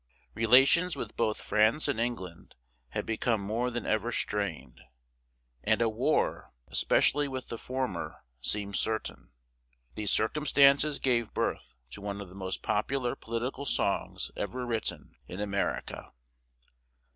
Relations with both France and England had become more than ever strained, and a war, especially with the former, seemed certain. These circumstances gave birth to one of the most popular political songs ever written in America.